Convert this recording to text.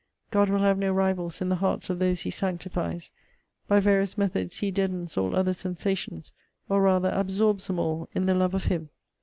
God will have no rivals in the hearts of those he sanctifies. By various methods he deadens all other sensations, or rather absorbs them all in the love of him.